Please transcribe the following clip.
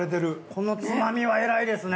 このつまみは偉いですね。